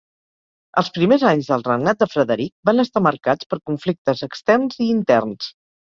Els primers anys del regnat de Frederic van estar marcats per conflictes externs i interns.